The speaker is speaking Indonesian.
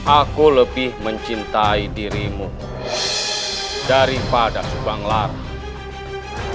aku lebih mencintai dirimu daripada subang larang